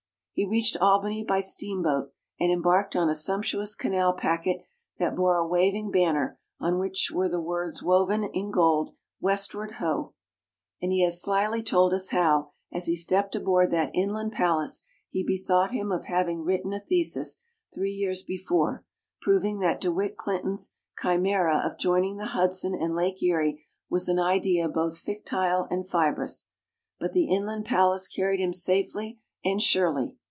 He reached Albany by steamboat, and embarked on a sumptuous canal packet that bore a waving banner on which were the words woven in gold, "Westward Ho!" And he has slyly told us how, as he stepped aboard that "inland palace," he bethought him of having written a thesis, three years before, proving that De Witt Clinton's chimera of joining the Hudson and Lake Erie was an idea both fictile and fibrous. But the inland palace carried him safely and surely.